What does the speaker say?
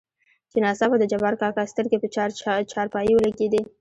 چې ناڅاپه دجبارکاکا سترګې په چارپايي ولګېدې.